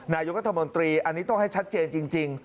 นายกรัฐมนตรีอันนี้ต้องให้ชัดเจนจริง